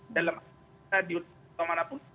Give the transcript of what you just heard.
dalam adiun atau mana pun